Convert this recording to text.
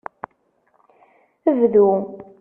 Bdu!